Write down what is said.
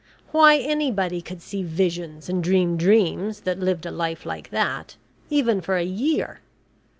Why, anybody could see visions and dream dreams, that lived a life like that even for a year!